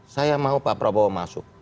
saya mau pak prabowo masuk